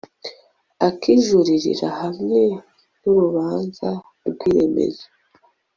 akijuririra hamwe n urubanza rw iremezo